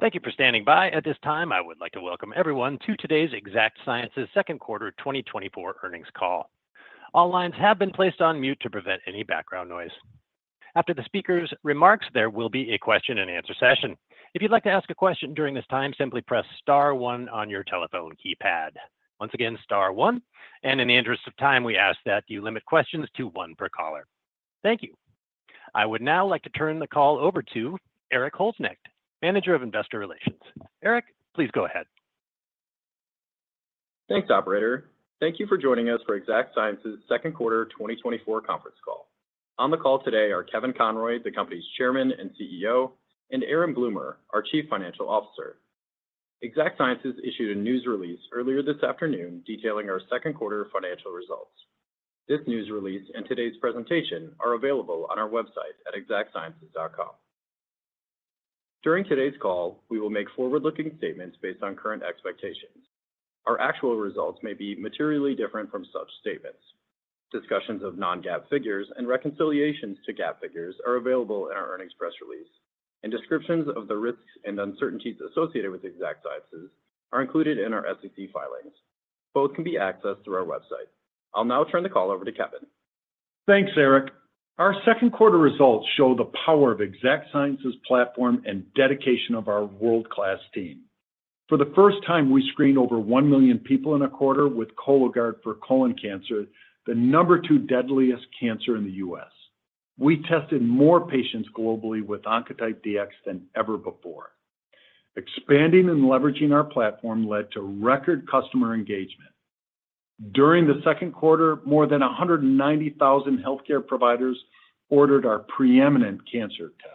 Thank you for standing by. At this time, I would like to welcome everyone to today's Exact Sciences second quarter 2024 earnings call. All lines have been placed on mute to prevent any background noise. After the speaker's remarks, there will be a question-and-answer session. If you'd like to ask a question during this time, simply press star one on your telephone keypad. Once again, star one. In the interest of time, we ask that you limit questions to one per caller. Thank you. I would now like to turn the call over to Erik Holznecht, Manager of Investor Relations. Erik, please go ahead. Thanks, Operator. Thank you for joining us for Exact Sciences second quarter 2024 conference call. On the call today are Kevin Conroy, the company's Chairman and CEO, and Aaron Bloomer, our Chief Financial Officer. Exact Sciences issued a news release earlier this afternoon detailing our second quarter financial results. This news release and today's presentation are available on our website at exactsciences.com. During today's call, we will make forward-looking statements based on current expectations. Our actual results may be materially different from such statements. Discussions of non-GAAP figures and reconciliations to GAAP figures are available in our earnings press release, and descriptions of the risks and uncertainties associated with Exact Sciences are included in our SEC filings. Both can be accessed through our website. I'll now turn the call over to Kevin. Thanks, Erik. Our second quarter results show the power of Exact Sciences' platform and dedication of our world-class team. For the first time, we screened over 1 million people in a quarter with Cologuard for colon cancer, the number 2 deadliest cancer in the U.S. We tested more patients globally with Oncotype DX than ever before. Expanding and leveraging our platform led to record customer engagement. During the second quarter, more than 190,000 healthcare providers ordered our preeminent cancer tests.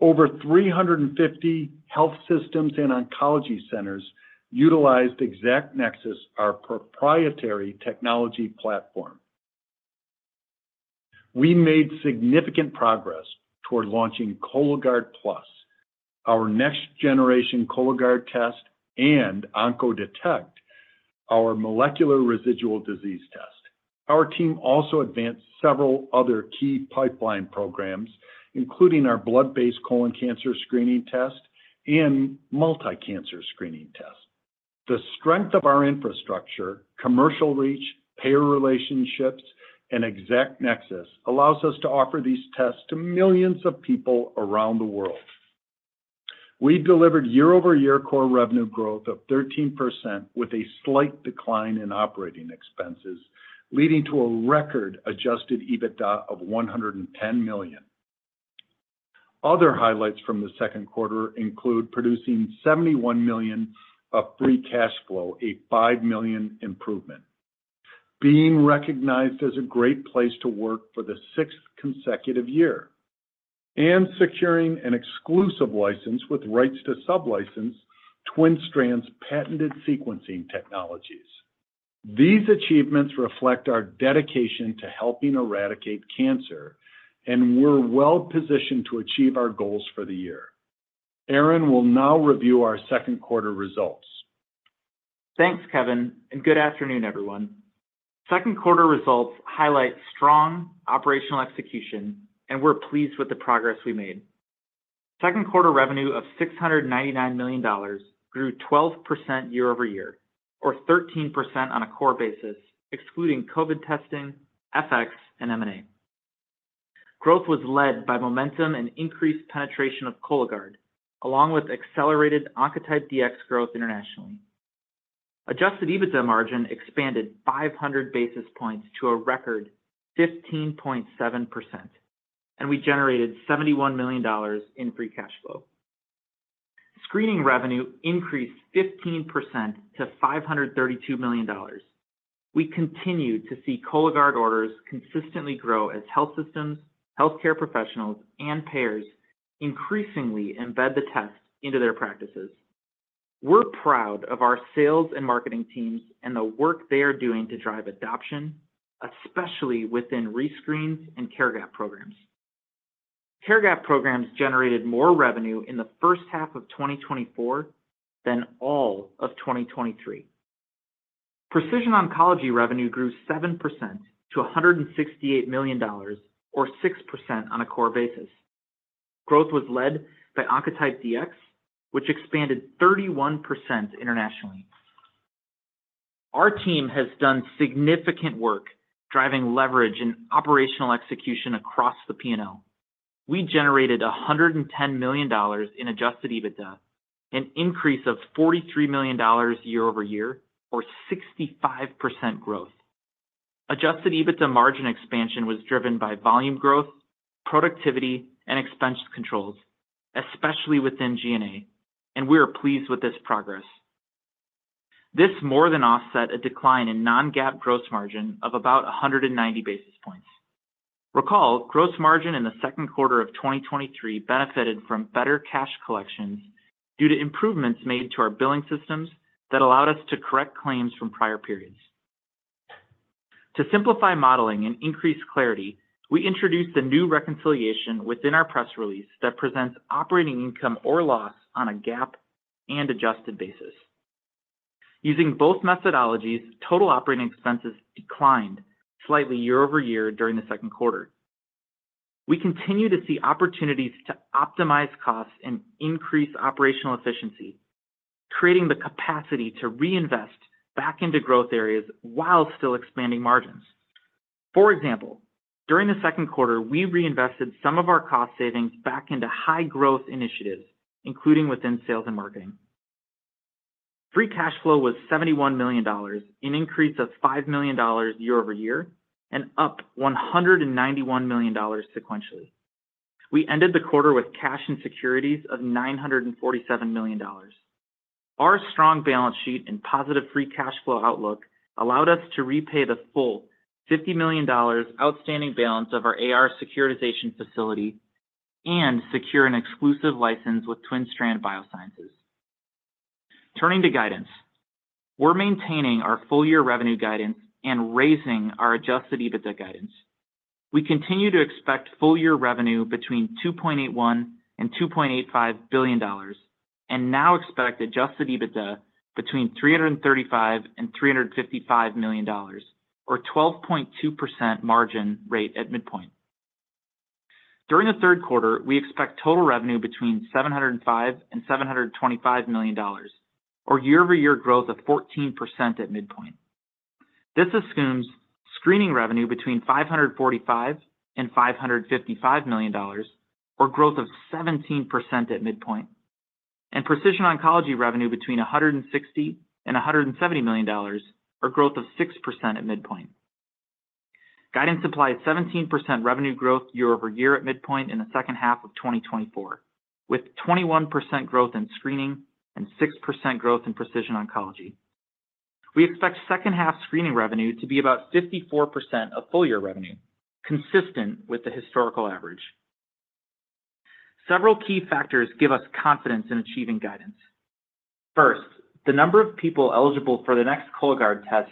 Over 350 health systems and oncology centers utilized Exact Nexus, our proprietary technology platform. We made significant progress toward launching Cologuard Plus, our next-generation Cologuard test, and OncoDetect, our molecular residual disease test. Our team also advanced several other key pipeline programs, including our blood-based colon cancer screening test and multi-cancer screening test. The strength of our infrastructure, commercial reach, payer relationships, and Exact Nexus allows us to offer these tests to millions of people around the world. We delivered year-over-year core revenue growth of 13% with a slight decline in operating expenses, leading to a record Adjusted EBITDA of $110 million. Other highlights from the second quarter include producing $71 million of Free Cash Flow, a $5 million improvement, being recognized as a great place to work for the sixth consecutive year, and securing an exclusive license with rights to sublicense TwinStrand's patented sequencing technologies. These achievements reflect our dedication to helping eradicate cancer, and we're well-positioned to achieve our goals for the year. Aaron will now review our second quarter results. Thanks, Kevin, and good afternoon, everyone. Second quarter results highlight strong operational execution, and we're pleased with the progress we made. Second quarter revenue of $699 million grew 12% year-over-year, or 13% on a core basis, excluding COVID testing, FX, and M&A. Growth was led by momentum and increased penetration of Cologuard, along with accelerated Oncotype DX growth internationally. Adjusted EBITDA margin expanded 500 basis points to a record 15.7%, and we generated $71 million in free cash flow. Screening revenue increased 15% to $532 million. We continue to see Cologuard orders consistently grow as health systems, healthcare professionals, and payers increasingly embed the test into their practices. We're proud of our sales and marketing teams and the work they are doing to drive adoption, especially within rescreens and care gap programs. Care gap programs generated more revenue in the first half of 2024 than all of 2023. Precision oncology revenue grew 7% to $168 million, or 6% on a core basis. Growth was led by Oncotype DX, which expanded 31% internationally. Our team has done significant work driving leverage and operational execution across the P&L. We generated $110 million in adjusted EBITDA, an increase of $43 million year-over-year, or 65% growth. Adjusted EBITDA margin expansion was driven by volume growth, productivity, and expense controls, especially within G&A, and we are pleased with this progress. This more than offset a decline in non-GAAP gross margin of about 190 basis points. Recall, gross margin in the second quarter of 2023 benefited from better cash collections due to improvements made to our billing systems that allowed us to correct claims from prior periods. To simplify modeling and increase clarity, we introduced a new reconciliation within our press release that presents operating income or loss on a GAAP and adjusted basis. Using both methodologies, total operating expenses declined slightly year-over-year during the second quarter. We continue to see opportunities to optimize costs and increase operational efficiency, creating the capacity to reinvest back into growth areas while still expanding margins. For example, during the second quarter, we reinvested some of our cost savings back into high-growth initiatives, including within sales and marketing. Free cash flow was $71 million, an increase of $5 million year-over-year, and up $191 million sequentially. We ended the quarter with cash and securities of $947 million. Our strong balance sheet and positive free cash flow outlook allowed us to repay the full $50 million outstanding balance of our AR securitization facility and secure an exclusive license with TwinStrand Biosciences. Turning to guidance, we're maintaining our full-year revenue guidance and raising our Adjusted EBITDA guidance. We continue to expect full-year revenue between $2.81-$2.85 billion and now expect Adjusted EBITDA between $335 million-$355 million, or 12.2% margin rate at midpoint. During the third quarter, we expect total revenue between $705 million-$725 million, or year-over-year growth of 14% at midpoint. This assumes screening revenue between $545 million-$555 million, or growth of 17% at midpoint, and precision oncology revenue between $160 million-$170 million, or growth of 6% at midpoint. Guidance implies 17% revenue growth year-over-year at midpoint in the second half of 2024, with 21% growth in screening and 6% growth in precision oncology. We expect second-half screening revenue to be about 54% of full-year revenue, consistent with the historical average. Several key factors give us confidence in achieving guidance. First, the number of people eligible for the next Cologuard test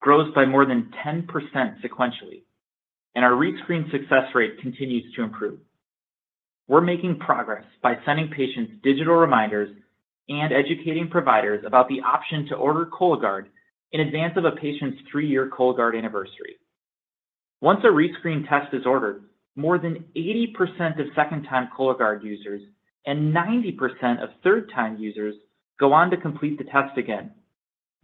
grows by more than 10% sequentially, and our rescreen success rate continues to improve. We're making progress by sending patients digital reminders and educating providers about the option to order Cologuard in advance of a patient's three-year Cologuard anniversary. Once a rescreen test is ordered, more than 80% of second-time Cologuard users and 90% of third-time users go on to complete the test again,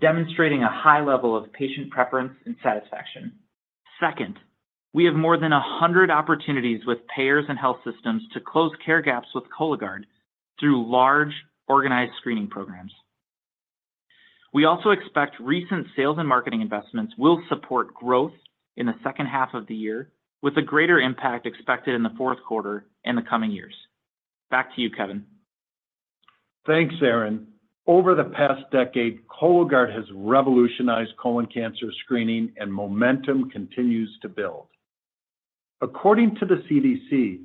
demonstrating a high level of patient preference and satisfaction. Second, we have more than 100 opportunities with payers and health systems to close care gaps with Cologuard through large, organized screening programs. We also expect recent sales and marketing investments will support growth in the second half of the year, with a greater impact expected in the fourth quarter and the coming years. Back to you, Kevin. Thanks, Aaron. Over the past decade, Cologuard has revolutionized colon cancer screening, and momentum continues to build. According to the CDC,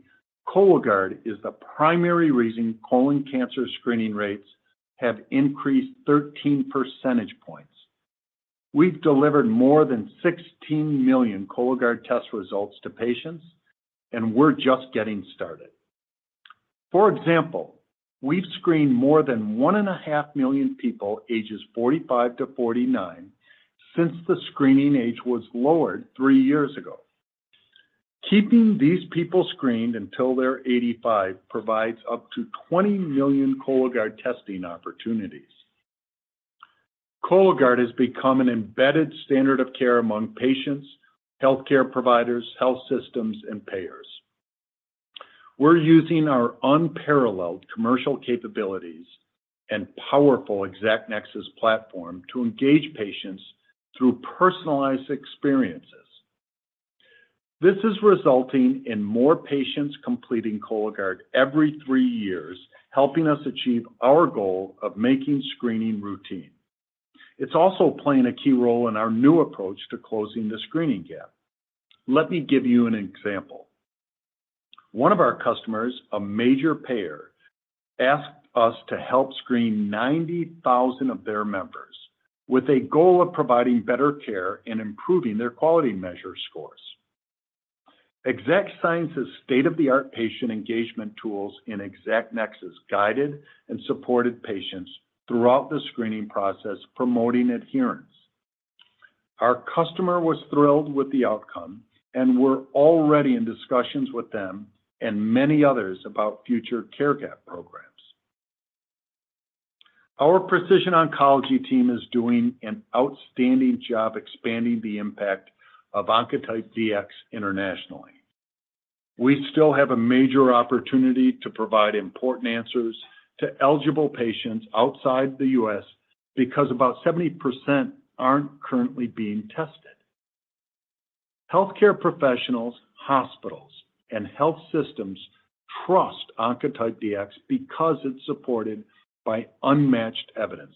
Cologuard is the primary reason colon cancer screening rates have increased 13 percentage points. We've delivered more than 16 million Cologuard test results to patients, and we're just getting started. For example, we've screened more than 1.5 million people ages 45 to 49 since the screening age was lowered three years ago. Keeping these people screened until they're 85 provides up to 20 million Cologuard testing opportunities. Cologuard has become an embedded standard of care among patients, healthcare providers, health systems, and payers. We're using our unparalleled commercial capabilities and powerful Exact Nexus platform to engage patients through personalized experiences. This is resulting in more patients completing Cologuard every three years, helping us achieve our goal of making screening routine. It's also playing a key role in our new approach to closing the screening gap. Let me give you an example. One of our customers, a major payer, asked us to help screen 90,000 of their members with a goal of providing better care and improving their quality measure scores. Exact Sciences' state-of-the-art patient engagement tools in Exact Nexus guided and supported patients throughout the screening process, promoting adherence. Our customer was thrilled with the outcome, and we're already in discussions with them and many others about future care gap programs. Our precision oncology team is doing an outstanding job expanding the impact of Oncotype DX internationally. We still have a major opportunity to provide important answers to eligible patients outside the U.S. because about 70% aren't currently being tested. Healthcare professionals, hospitals, and health systems trust Oncotype DX because it's supported by unmatched evidence.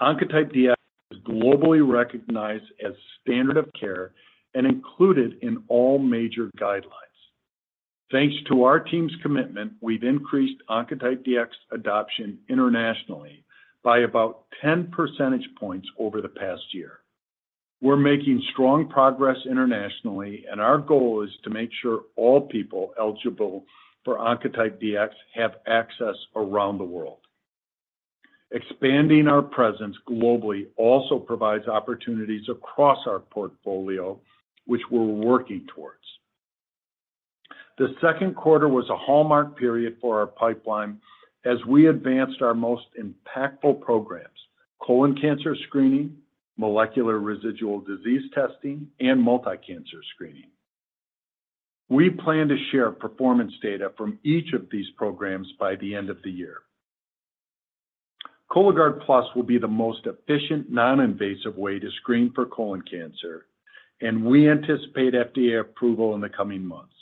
Oncotype DX is globally recognized as standard of care and included in all major guidelines. Thanks to our team's commitment, we've increased Oncotype DX adoption internationally by about 10 percentage points over the past year. We're making strong progress internationally, and our goal is to make sure all people eligible for Oncotype DX have access around the world. Expanding our presence globally also provides opportunities across our portfolio, which we're working towards. The second quarter was a hallmark period for our pipeline as we advanced our most impactful programs: colon cancer screening, molecular residual disease testing, and multi-cancer screening. We plan to share performance data from each of these programs by the end of the year. Cologuard Plus will be the most efficient non-invasive way to screen for colon cancer, and we anticipate FDA approval in the coming months.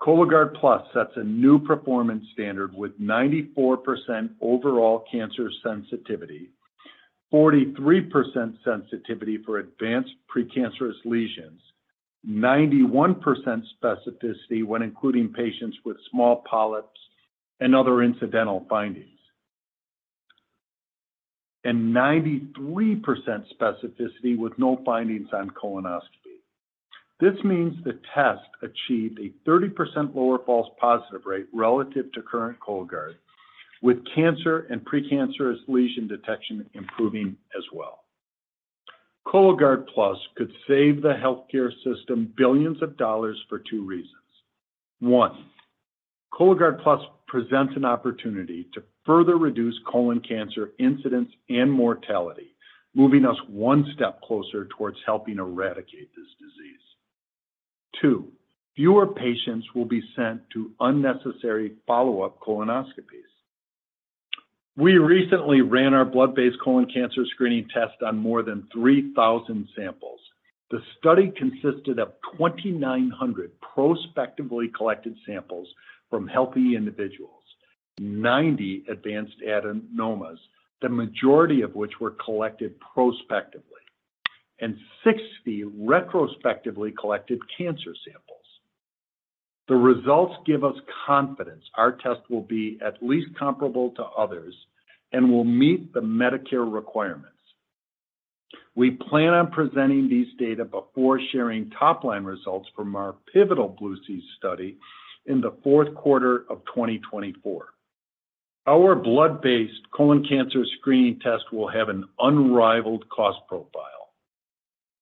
Cologuard Plus sets a new performance standard with 94% overall cancer sensitivity, 43% sensitivity for advanced precancerous lesions, 91% specificity when including patients with small polyps and other incidental findings, and 93% specificity with no findings on colonoscopy. This means the test achieved a 30% lower false positive rate relative to current Cologuard, with cancer and precancerous lesion detection improving as well. Cologuard Plus could save the healthcare system billions of dollars for two reasons. One, Cologuard Plus presents an opportunity to further reduce colon cancer incidence and mortality, moving us one step closer towards helping eradicate this disease. Two, fewer patients will be sent to unnecessary follow-up colonoscopies. We recently ran our blood-based colon cancer screening test on more than 3,000 samples. The study consisted of 2,900 prospectively collected samples from healthy individuals, 90 advanced adenomas, the majority of which were collected prospectively, and 60 retrospectively collected cancer samples. The results give us confidence our test will be at least comparable to others and will meet the Medicare requirements. We plan on presenting these data before sharing top-line results from our pivotal BLUE-C study in the fourth quarter of 2024. Our blood-based colon cancer screening test will have an unrivaled cost profile.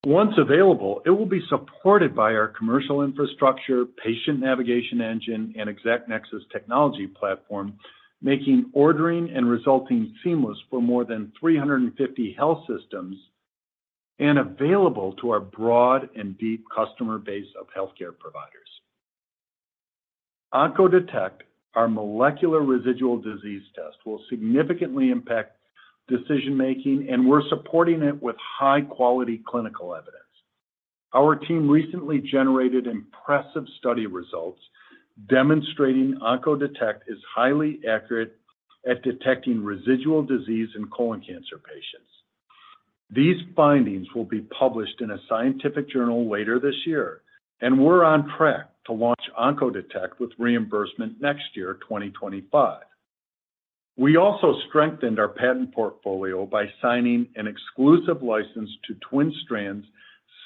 Once available, it will be supported by our commercial infrastructure, patient navigation engine, and Exact Nexus technology platform, making ordering and resulting seamless for more than 350 health systems and available to our broad and deep customer base of healthcare providers. Oncodetect, our molecular residual disease test, will significantly impact decision-making, and we're supporting it with high-quality clinical evidence. Our team recently generated impressive study results demonstrating Oncodetect is highly accurate at detecting residual disease in colon cancer patients. These findings will be published in a scientific journal later this year, and we're on track to launch Oncodetect with reimbursement next year, 2025. We also strengthened our patent portfolio by signing an exclusive license to TwinStrand's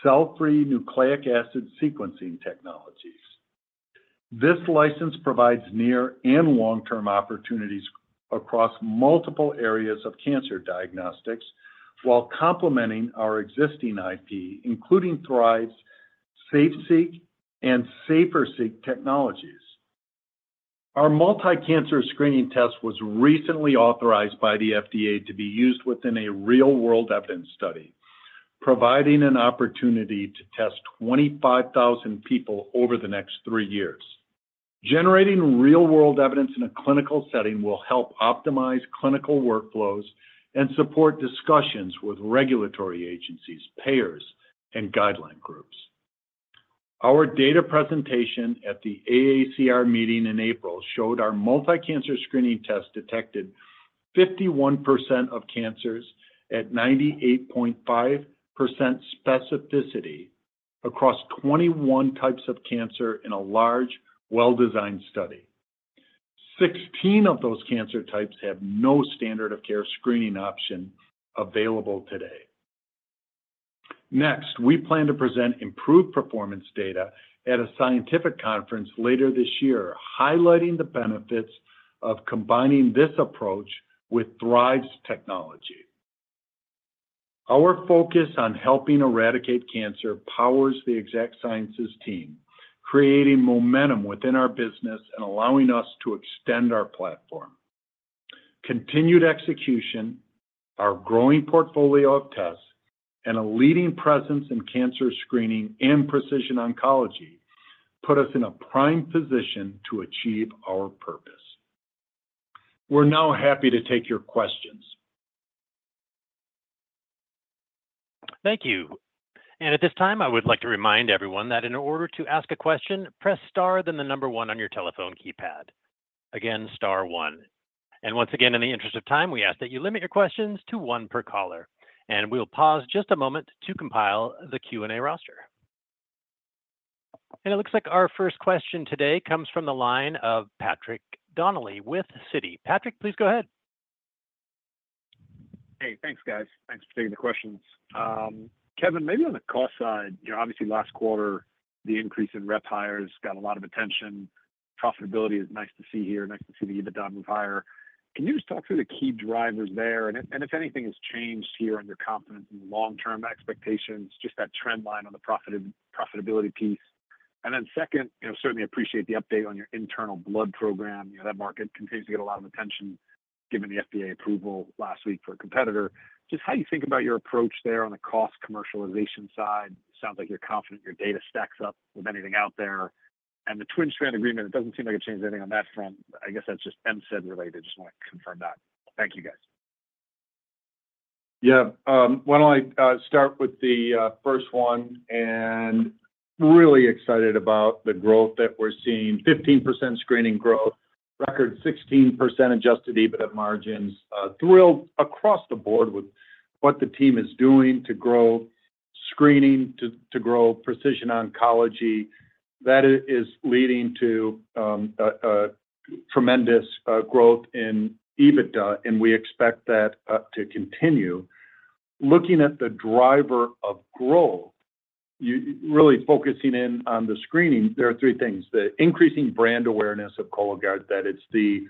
cell-free nucleic acid sequencing technologies. This license provides near and long-term opportunities across multiple areas of cancer diagnostics while complementing our existing IP, including Thrive's, Safe-SeqS, and SaferSeqS technologies. Our multi-cancer screening test was recently authorized by the FDA to be used within a real-world evidence study, providing an opportunity to test 25,000 people over the next three years. Generating real-world evidence in a clinical setting will help optimize clinical workflows and support discussions with regulatory agencies, payers, and guideline groups. Our data presentation at the AACR meeting in April showed our multi-cancer screening test detected 51% of cancers at 98.5% specificity across 21 types of cancer in a large, well-designed study. 16 of those cancer types have no standard of care screening option available today. Next, we plan to present improved performance data at a scientific conference later this year, highlighting the benefits of combining this approach with Thrive's technology. Our focus on helping eradicate cancer powers the Exact Sciences team, creating momentum within our business and allowing us to extend our platform. Continued execution, our growing portfolio of tests, and a leading presence in cancer screening and precision oncology put us in a prime position to achieve our purpose. We're now happy to take your questions. Thank you. And at this time, I would like to remind everyone that in order to ask a question, press star then the number one on your telephone keypad. Again, star one. And once again, in the interest of time, we ask that you limit your questions to one per caller. And we'll pause just a moment to compile the Q&A roster. And it looks like our first question today comes from the line of Patrick Donnelly with Citi. Patrick, please go ahead. Hey, thanks, guys. Thanks for taking the questions. Kevin, maybe on the cost side, you know, obviously last quarter, the increase in rep hires got a lot of attention. Profitability is nice to see here, nice to see the EBITDA move higher. Can you just talk through the key drivers there? And if anything has changed here on your confidence and long-term expectations, just that trend line on the profitability piece. And then second, you know, certainly appreciate the update on your internal blood program. You know, that market continues to get a lot of attention given the FDA approval last week for a competitor. Just how you think about your approach there on the cost commercialization side. Sounds like you're confident your data stacks up with anything out there. And the TwinStrand agreement, it doesn't seem like it changed anything on that front. I guess that's just M&A-related. Just want to confirm that. Thank you, guys. Yeah. Why don't I start with the first one? Really excited about the growth that we're seeing. 15% screening growth, record 16% adjusted EBITDA margins. Thrilled across the board with what the team is doing to grow screening, to grow precision oncology. That is leading to tremendous growth in EBITDA, and we expect that to continue. Looking at the driver of growth, really focusing in on the screening, there are three things. The increasing brand awareness of Cologuard, that it's the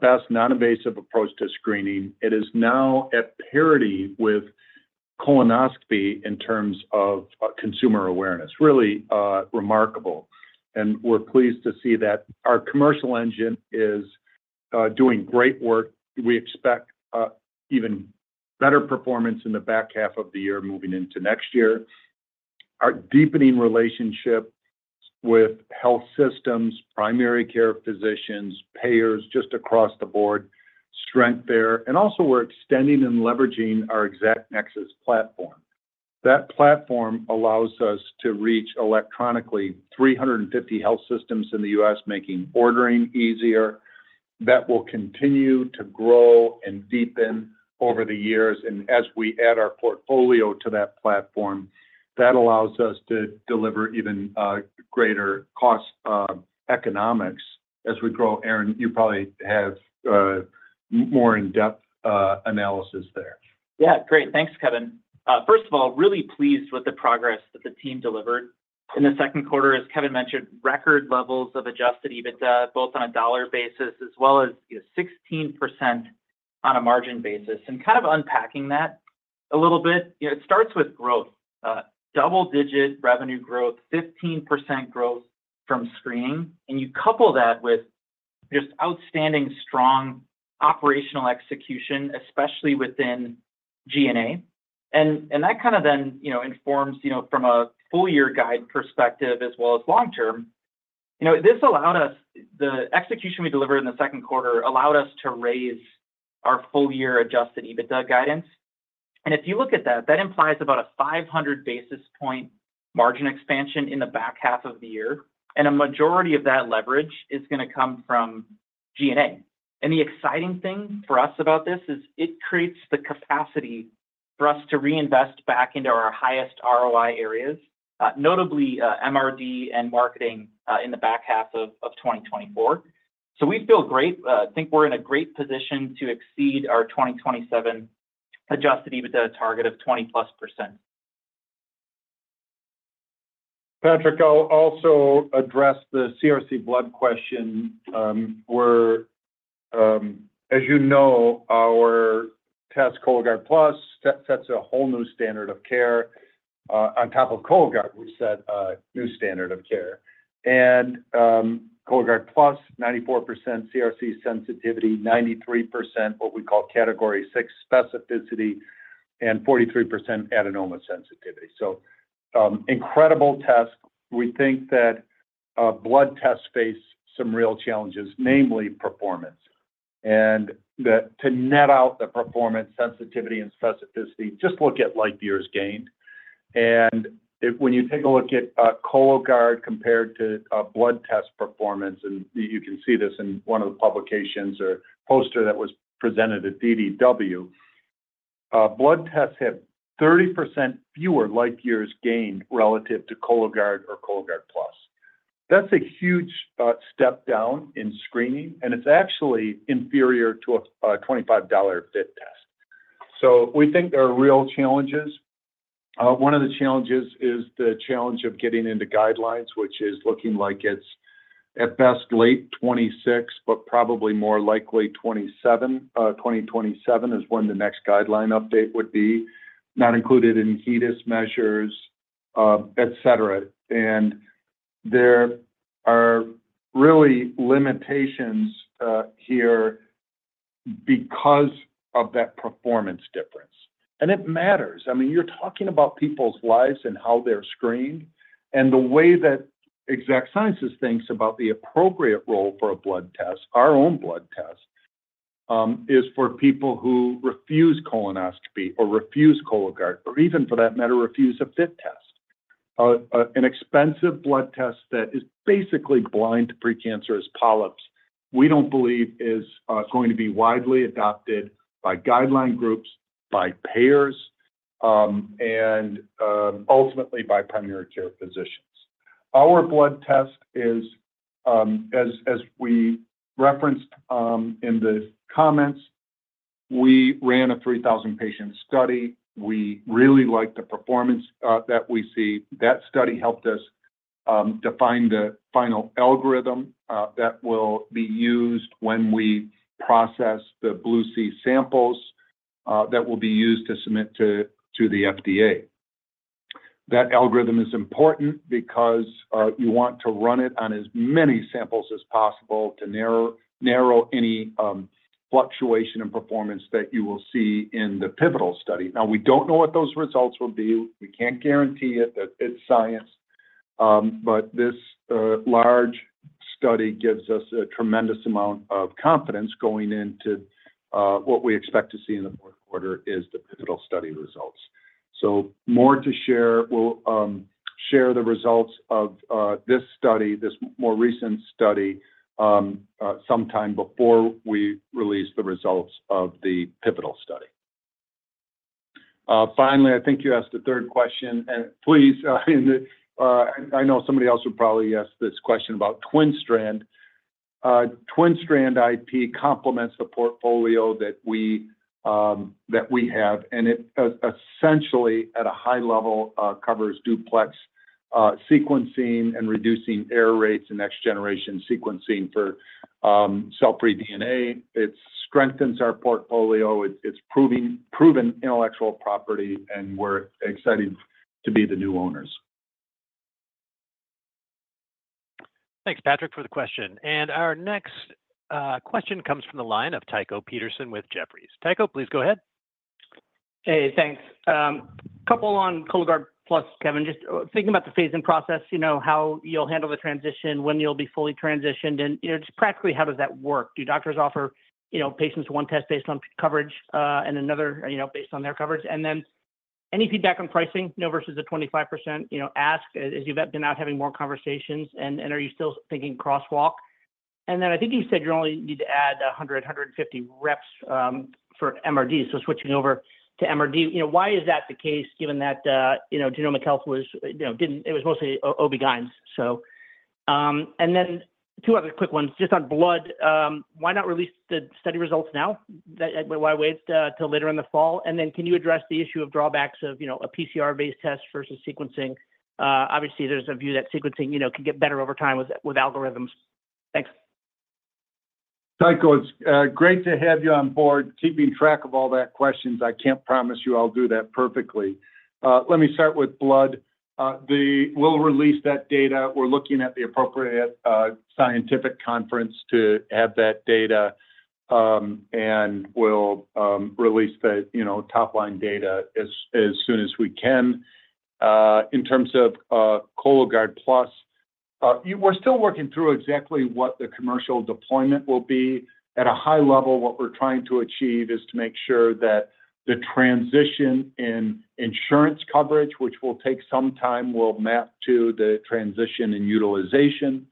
best non-invasive approach to screening. It is now at parity with colonoscopy in terms of consumer awareness. Really remarkable. We're pleased to see that our commercial engine is doing great work. We expect even better performance in the back half of the year moving into next year. Our deepening relationship with health systems, primary care physicians, payers just across the board, strength there. Also we're extending and leveraging our Exact Nexus platform. That platform allows us to reach electronically 350 health systems in the U.S., making ordering easier. That will continue to grow and deepen over the years. As we add our portfolio to that platform, that allows us to deliver even greater cost economics as we grow. Aaron, you probably have more in-depth analysis there. Yeah, great. Thanks, Kevin. First of all, really pleased with the progress that the team delivered. In the second quarter, as Kevin mentioned, record levels of adjusted EBITDA, both on a dollar basis as well as, you know, 16% on a margin basis. And kind of unpacking that a little bit, you know, it starts with growth. Double-digit revenue growth, 15% growth from screening. And you couple that with just outstanding strong operational execution, especially within G&A. And that kind of then, you know, informs, you know, from a full-year guide perspective as well as long-term. You know, this allowed us, the execution we delivered in the second quarter allowed us to raise our full-year adjusted EBITDA guidance. And if you look at that, that implies about a 500 basis point margin expansion in the back half of the year. A majority of that leverage is going to come from G&A. The exciting thing for us about this is it creates the capacity for us to reinvest back into our highest ROI areas, notably MRD and marketing in the back half of 2024. We feel great. I think we're in a great position to exceed our 2027 adjusted EBITDA target of 20%+. Patrick, I'll also address the CRC blood question. We're, as you know, our test Cologuard Plus sets a whole new standard of care. On top of Cologuard, we set a new standard of care. And Cologuard Plus, 94% CRC sensitivity, 93% what we call Category 6 specificity, and 43% adenoma sensitivity. So incredible test. We think that blood tests face some real challenges, namely performance. And to net out the performance, sensitivity, and specificity, just look at light years gained. And when you take a look at Cologuard compared to blood test performance, and you can see this in one of the publications or poster that was presented at DDW, blood tests have 30% fewer light years gained relative to Cologuard or Cologuard Plus. That's a huge step down in screening, and it's actually inferior to a $25 FIT test. So we think there are real challenges. One of the challenges is the challenge of getting into guidelines, which is looking like it's at best late 2026, but probably more likely 2027. 2027 is when the next guideline update would be, not included in HEDIS measures, et cetera. There are really limitations here because of that performance difference. It matters. I mean, you're talking about people's lives and how they're screened. The way that Exact Sciences thinks about the appropriate role for a blood test, our own blood test, is for people who refuse colonoscopy or refuse Cologuard or even for that matter, refuse a FIT test. An expensive blood test that is basically blind to precancerous polyps, we don't believe is going to be widely adopted by guideline groups, by payers, and ultimately by primary care physicians. Our blood test is, as we referenced in the comments, we ran a 3,000-patient study. We really liked the performance that we see. That study helped us define the final algorithm that will be used when we process the BLUE-C samples that will be used to submit to the FDA. That algorithm is important because you want to run it on as many samples as possible to narrow any fluctuation in performance that you will see in the pivotal study. Now, we don't know what those results will be. We can't guarantee it. That's science. But this large study gives us a tremendous amount of confidence going into what we expect to see in the fourth quarter, is the pivotal study results. So more to share. We'll share the results of this study, this more recent study, sometime before we release the results of the pivotal study. Finally, I think you asked the third question. Please, I know somebody else would probably ask this question about TwinStrand. TwinStrand IP complements the portfolio that we have. It essentially, at a high level, covers Duplex Sequencing and reducing error rates and Next-Generation Sequencing for cell-free DNA. It strengthens our portfolio. It's proven intellectual property, and we're excited to be the new owners. Thanks, Patrick, for the question. And our next question comes from the line of Tycho Peterson with Jefferies. Tycho, please go ahead. Hey, thanks. A couple on Cologuard Plus, Kevin. Just thinking about the phasing process, you know, how you'll handle the transition, when you'll be fully transitioned, and, you know, just practically, how does that work? Do doctors offer, you know, patients one test based on coverage and another, you know, based on their coverage? And then any feedback on pricing, you know, versus the 25%, you know, ask as you've been out having more conversations? And are you still thinking crosswalk? And then I think you said you only need to add 100, 150 reps for MRD. So switching over to MRD, you know, why is that the case given that, you know, genomic health was, you know, didn't, it was mostly OB-GYNs? So, and then two other quick ones. Just on blood, why not release the study results now? Why wait till later in the fall? Then can you address the issue of drawbacks of, you know, a PCR-based test versus sequencing? Obviously, there's a view that sequencing, you know, can get better over time with algorithms. Thanks. Tycho, it's great to have you on board. Keeping track of all those questions, I can't promise you I'll do that perfectly. Let me start with blood. We'll release that data. We're looking at the appropriate scientific conference to have that data. We'll release the, you know, top-line data as soon as we can. In terms of Cologuard Plus, we're still working through exactly what the commercial deployment will be. At a high level, what we're trying to achieve is to make sure that the transition in insurance coverage, which will take some time, will map to the transition in utilization.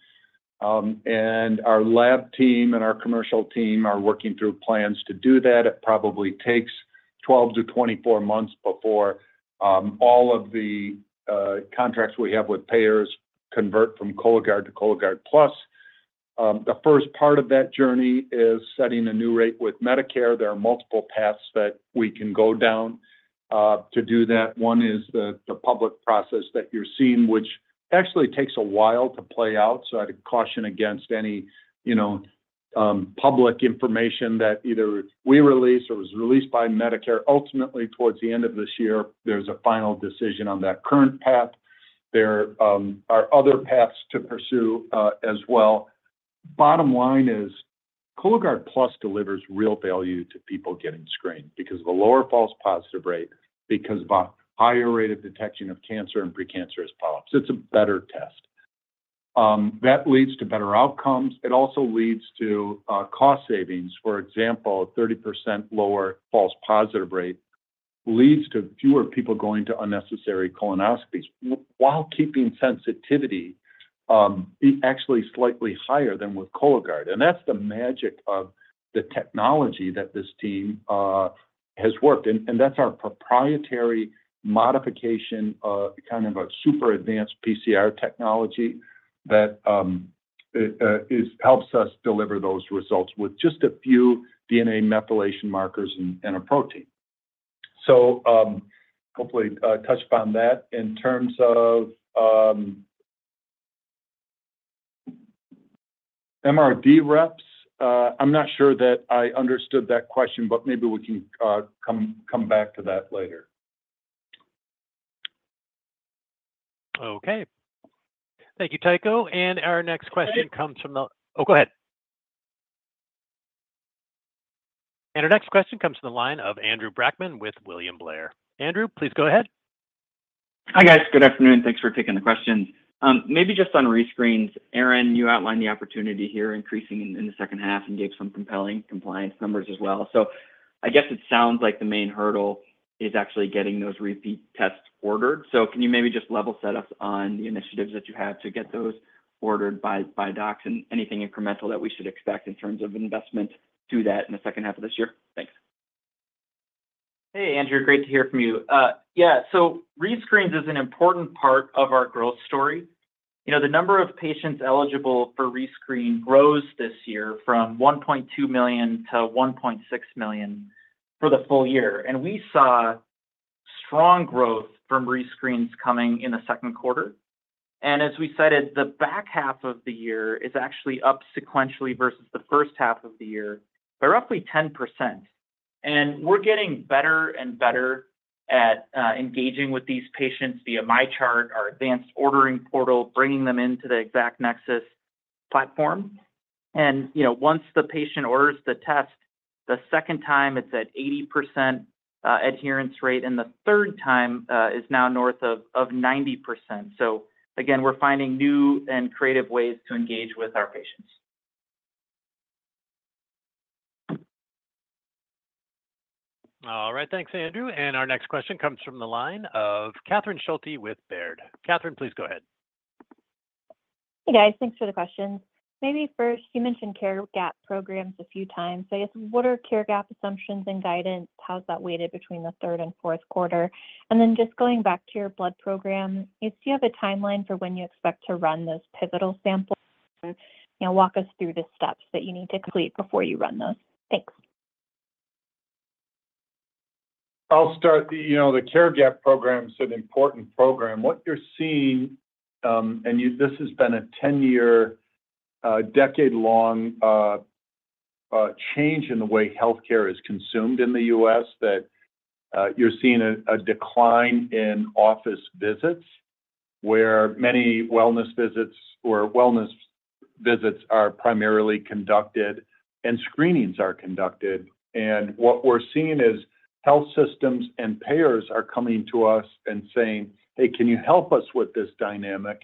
Our lab team and our commercial team are working through plans to do that. It probably takes 12-24 months before all of the contracts we have with payers convert from Cologuard to Cologuard Plus. The first part of that journey is setting a new rate with Medicare. There are multiple paths that we can go down to do that. One is the public process that you're seeing, which actually takes a while to play out. So I'd caution against any, you know, public information that either we release or was released by Medicare. Ultimately, towards the end of this year, there's a final decision on that current path. There are other paths to pursue as well. Bottom line is Cologuard Plus delivers real value to people getting screened because of a lower false positive rate, because of a higher rate of detection of cancer and precancerous polyps. It's a better test. That leads to better outcomes. It also leads to cost savings. For example, a 30% lower false positive rate leads to fewer people going to unnecessary colonoscopies while keeping sensitivity actually slightly higher than with Cologuard. And that's the magic of the technology that this team has worked. And that's our proprietary modification, kind of a super advanced PCR technology that helps us deliver those results with just a few DNA methylation markers and a protein. So hopefully touched upon that. In terms of MRD reps, I'm not sure that I understood that question, but maybe we can come back to that later. Okay. Thank you, Tycho. And our next question comes from the, oh, go ahead. And our next question comes from the line of Andrew Brackmann with William Blair. Andrew, please go ahead. Hi guys. Good afternoon. Thanks for taking the questions. Maybe just on rescreens, Aaron, you outlined the opportunity here increasing in the second half and gave some compelling compliance numbers as well. So I guess it sounds like the main hurdle is actually getting those repeat tests ordered. So can you maybe just level set us on the initiatives that you have to get those ordered by docs and anything incremental that we should expect in terms of investment to that in the second half of this year? Thanks. Hey, Andrew. Great to hear from you. Yeah. So rescreens is an important part of our growth story. You know, the number of patients eligible for rescreen grows this year from 1.2 million to 1.6 million for the full year. And we saw strong growth from rescreens coming in the second quarter. And as we cited, the back half of the year is actually up sequentially versus the first half of the year by roughly 10%. And we're getting better and better at engaging with these patients via MyChart, our advanced ordering portal, bringing them into the Exact Nexus platform. And, you know, once the patient orders the test, the second time it's at 80% adherence rate, and the third time is now north of 90%. So again, we're finding new and creative ways to engage with our patients. All right. Thanks, Andrew. And our next question comes from the line of Catherine Schulte with Baird. Catherine, please go ahead. Hey, guys. Thanks for the question. Maybe first, you mentioned care gap programs a few times. So I guess, what are care gap assumptions and guidance? How's that weighted between the third and fourth quarter? And then just going back to your blood program, do you have a timeline for when you expect to run those pivotal samples? You know, walk us through the steps that you need to complete before you run those. Thanks. I'll start. You know, the care gap program is an important program. What you're seeing, and this has been a 10-year, decade-long change in the way healthcare is consumed in the U.S., that you're seeing a decline in office visits where many wellness visits or wellness visits are primarily conducted and screenings are conducted. And what we're seeing is health systems and payers are coming to us and saying, "Hey, can you help us with this dynamic?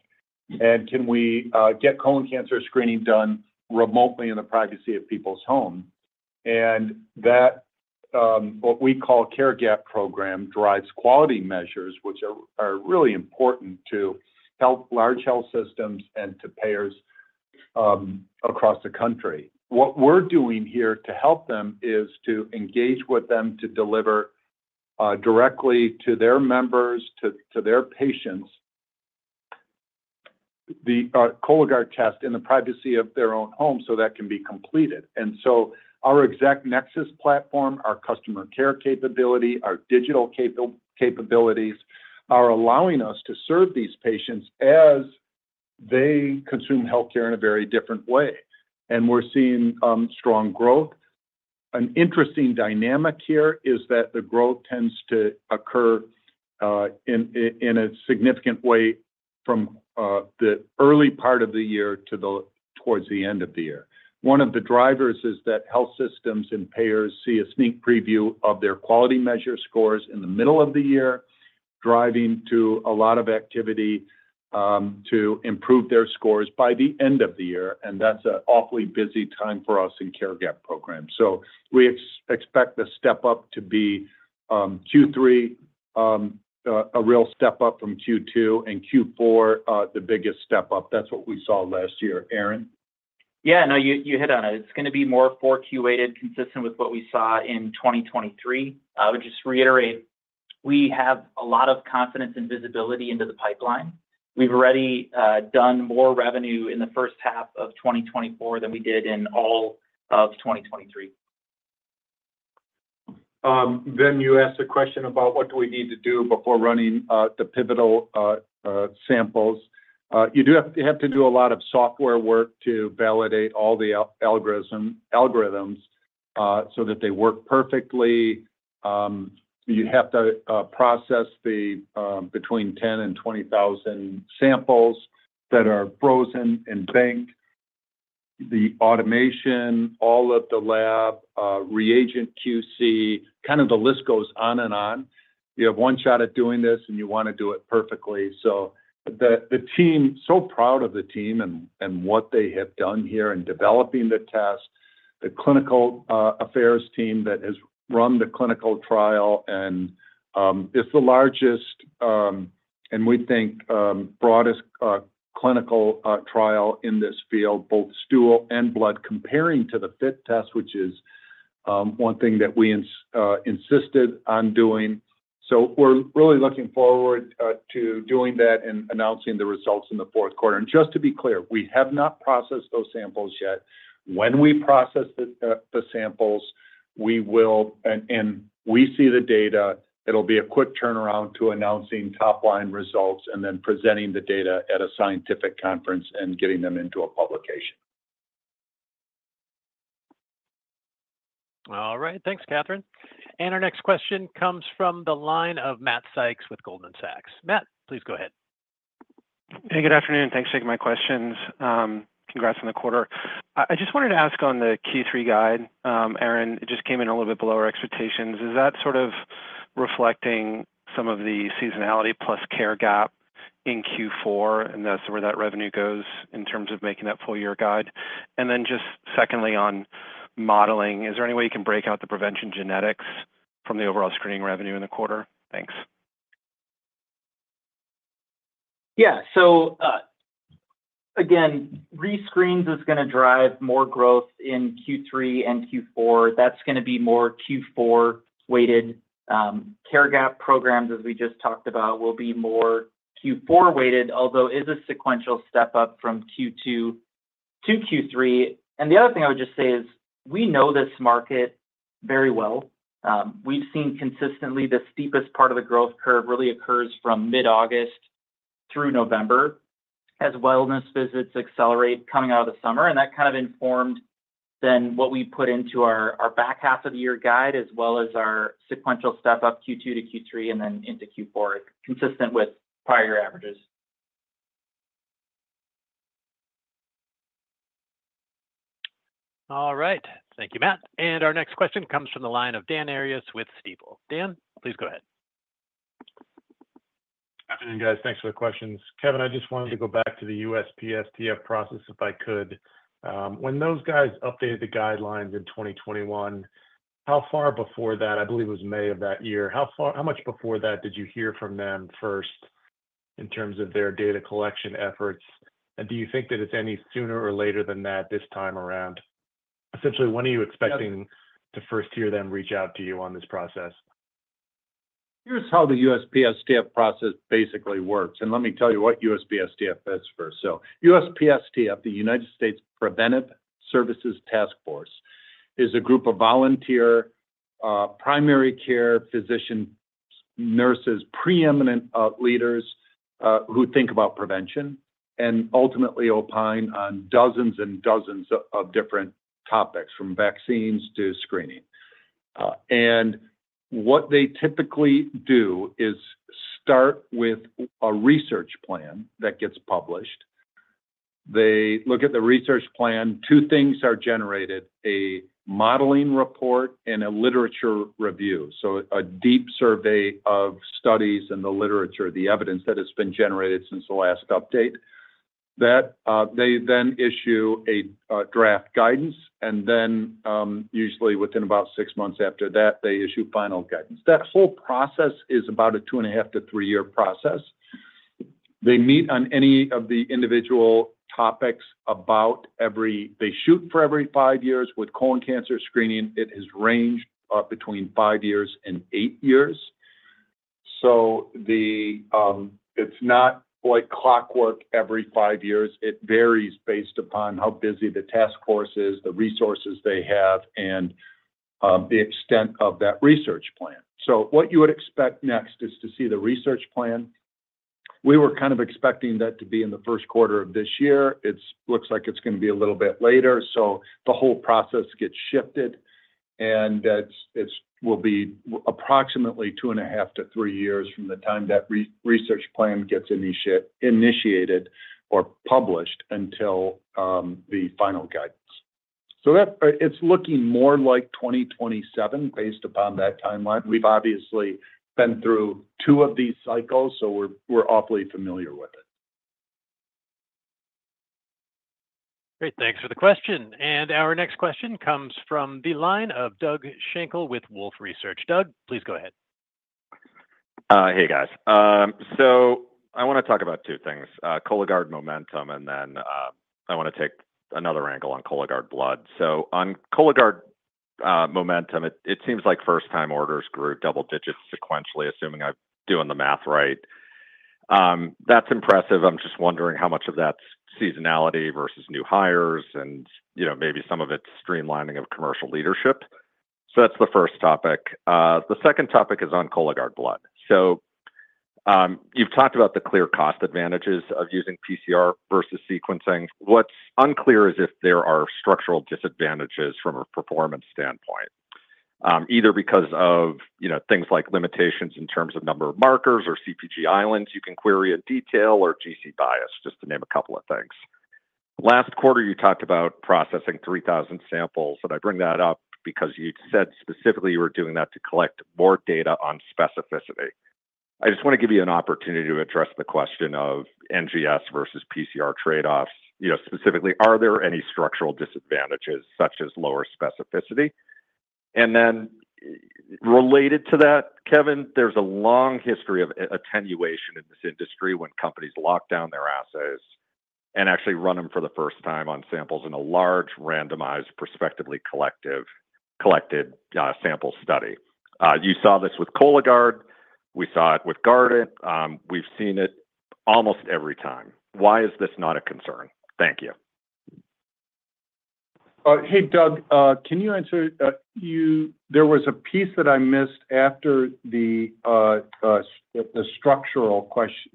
And can we get colon cancer screening done remotely in the privacy of people's home?" And that what we call care gap program drives quality measures, which are really important to help large health systems and to payers across the country. What we're doing here to help them is to engage with them to deliver directly to their members, to their patients, the Cologuard test in the privacy of their own home so that can be completed. And so our Exact Nexus platform, our customer care capability, our digital capabilities are allowing us to serve these patients as they consume healthcare in a very different way. And we're seeing strong growth. An interesting dynamic here is that the growth tends to occur in a significant way from the early part of the year to towards the end of the year. One of the drivers is that health systems and payers see a sneak preview of their quality measure scores in the middle of the year, driving to a lot of activity to improve their scores by the end of the year. That's an awfully busy time for us in care gap programs. We expect the step-up to be Q3, a real step-up from Q2, and Q4 the biggest step-up. That's what we saw last year. Aaron? Yeah. No, you hit on it. It's going to be more for Q8, consistent with what we saw in 2023. I would just reiterate, we have a lot of confidence and visibility into the pipeline. We've already done more revenue in the first half of 2024 than we did in all of 2023. Then you asked a question about what we need to do before running the pivotal samples. You do have to do a lot of software work to validate all the algorithms so that they work perfectly. You have to process between 10,000 and 20,000 samples that are frozen and banked. The automation, all of the lab, reagent QC, kind of, the list goes on and on. You have one shot at doing this, and you want to do it perfectly. So the team, so proud of the team and what they have done here in developing the test, the clinical affairs team that has run the clinical trial, and it's the largest and we think broadest clinical trial in this field, both stool and blood, comparing to the FIT test, which is one thing that we insisted on doing. We're really looking forward to doing that and announcing the results in the fourth quarter. Just to be clear, we have not processed those samples yet. When we process the samples, we will, and we see the data, it'll be a quick turnaround to announcing top-line results and then presenting the data at a scientific conference and getting them into a publication. All right. Thanks, Catherine. Our next question comes from the line of Matt Sykes with Goldman Sachs. Matt, please go ahead. Hey, good afternoon. Thanks for taking my questions. Congrats on the quarter. I just wanted to ask on the Q3 guide, Aaron, it just came in a little bit below our expectations. Is that sort of reflecting some of the seasonality plus care gap in Q4 and that's where that revenue goes in terms of making that full-year guide? And then just secondly, on modeling, is there any way you can break out the PreventionGenetics from the overall screening revenue in the quarter? Thanks. Yeah. So again, rescreens is going to drive more growth in Q3 and Q4. That's going to be more Q4-weighted. Care gap programs, as we just talked about, will be more Q4-weighted, although it is a sequential step-up from Q2 to Q3. And the other thing I would just say is we know this market very well. We've seen consistently the steepest part of the growth curve really occurs from mid-August through November as wellness visits accelerate coming out of the summer. And that kind of informed then what we put into our back half of the year guide as well as our sequential step-up Q2 to Q3 and then into Q4, consistent with prior averages. All right. Thank you, Matt. Our next question comes from the line of Dan Arias with Stifel. Dan, please go ahead. Afternoon, guys. Thanks for the questions. Kevin, I just wanted to go back to the USPSTF process if I could. When those guys updated the guidelines in 2021, how far before that, I believe it was May of that year, how much before that did you hear from them first in terms of their data collection efforts? And do you think that it's any sooner or later than that this time around? Essentially, when are you expecting to first hear them reach out to you on this process? Here's how the USPSTF process basically works. And let me tell you what USPSTF is first. So USPSTF, the United States Preventive Services Task Force, is a group of volunteer primary care physicians, nurses, preeminent leaders who think about prevention and ultimately opine on dozens and dozens of different topics from vaccines to screening. And what they typically do is start with a research plan that gets published. They look at the research plan. Two things are generated: a modeling report and a literature review. So a deep survey of studies and the literature, the evidence that has been generated since the last update. They then issue a draft guidance. And then usually within about six months after that, they issue final guidance. That whole process is about a 2.5- to 3-year process. They meet on any of the individual topics about every 5 years with colon cancer screening. They shoot for every 5 years with colon cancer screening. It has ranged between 5 years and 8 years. So it's not like clockwork every 5 years. It varies based upon how busy the task force is, the resources they have, and the extent of that research plan. So what you would expect next is to see the research plan. We were kind of expecting that to be in the first quarter of this year. It looks like it's going to be a little bit later. So the whole process gets shifted. And it will be approximately 2.5-3 years from the time that research plan gets initiated or published until the final guidance. So it's looking more like 2027 based upon that timeline. We've obviously been through 2 of these cycles, so we're awfully familiar with it. Great. Thanks for the question. Our next question comes from the line of Doug Schenkel with Wolfe Research. Doug, please go ahead. Hey, guys. So I want to talk about two things: Cologuard momentum, and then I want to take another angle on Cologuard blood. So on Cologuard momentum, it seems like first-time orders grew double digits sequentially, assuming I'm doing the math right. That's impressive. I'm just wondering how much of that's seasonality versus new hires and maybe some of it's streamlining of commercial leadership. So that's the first topic. The second topic is on Cologuard blood. So you've talked about the clear cost advantages of using PCR versus sequencing. What's unclear is if there are structural disadvantages from a performance standpoint, either because of things like limitations in terms of number of markers or CpG islands you can query in detail or GC bias, just to name a couple of things. Last quarter, you talked about processing 3,000 samples. I bring that up because you said specifically you were doing that to collect more data on specificity. I just want to give you an opportunity to address the question of NGS versus PCR trade-offs. Specifically, are there any structural disadvantages such as lower specificity? And then related to that, Kevin, there's a long history of attenuation in this industry when companies lock down their assays and actually run them for the first time on samples in a large randomized, prospectively collected sample study. You saw this with Cologuard. We saw it with Guardant. We've seen it almost every time. Why is this not a concern? Thank you. Hey, Doug, can you answer? There was a piece that I missed after the structural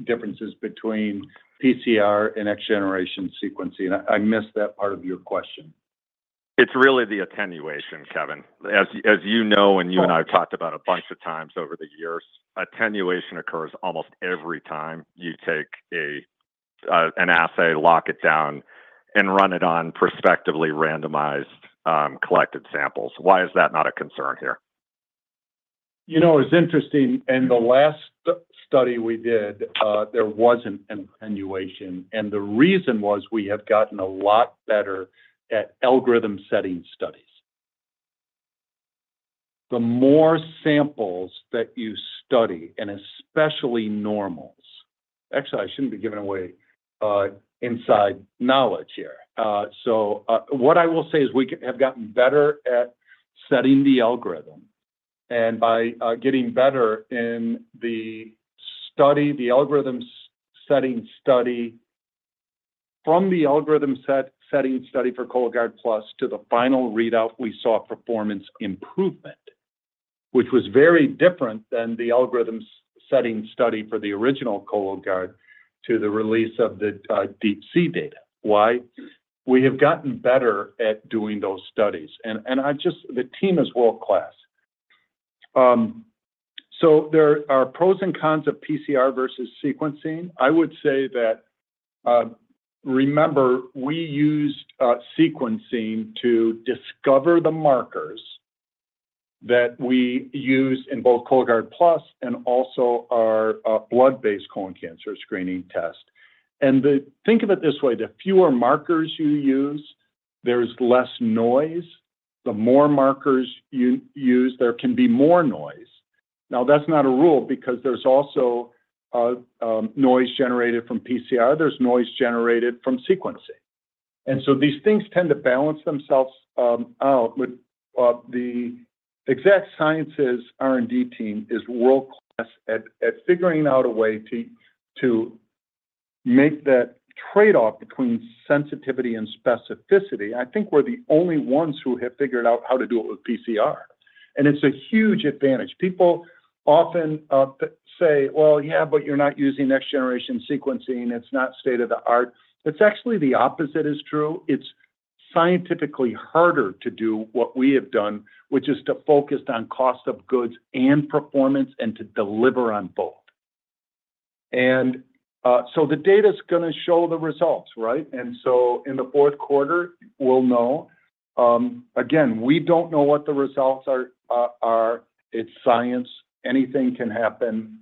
differences between PCR and next-generation sequencing. I missed that part of your question. It's really the attenuation, Kevin. As you know, and you and I have talked about a bunch of times over the years, attenuation occurs almost every time you take an assay, lock it down, and run it on prospectively randomized collected samples. Why is that not a concern here? You know, it's interesting. In the last study we did, there wasn't attenuation. The reason was we have gotten a lot better at algorithm-setting studies. The more samples that you study, and especially normals, actually, I shouldn't be giving away inside knowledge here. So what I will say is we have gotten better at setting the algorithm. And by getting better in the study, the algorithm-setting study, from the algorithm-setting study for Cologuard Plus to the final readout, we saw performance improvement, which was very different than the algorithm-setting study for the original Cologuard to the release of the DeeP-C data. Why? We have gotten better at doing those studies. The team is world-class. So there are pros and cons of PCR versus sequencing. I would say that, remember, we used sequencing to discover the markers that we use in both Cologuard Plus and also our blood-based colon cancer screening test. And think of it this way: the fewer markers you use, there's less noise. The more markers you use, there can be more noise. Now, that's not a rule because there's also noise generated from PCR. There's noise generated from sequencing. And so these things tend to balance themselves out. The Exact Sciences R&D team is world-class at figuring out a way to make that trade-off between sensitivity and specificity. I think we're the only ones who have figured out how to do it with PCR. And it's a huge advantage. People often say, "Well, yeah, but you're not using next-generation sequencing. It's not state-of-the-art." It's actually the opposite is true. It's scientifically harder to do what we have done, which is to focus on cost of goods and performance and to deliver on both. And so the data's going to show the results, right? And so in the fourth quarter, we'll know. Again, we don't know what the results are. It's science. Anything can happen.